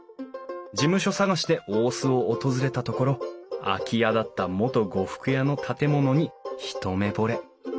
事務所探しで大須を訪れたところ空き家だった元呉服屋の建物に一目ぼれ。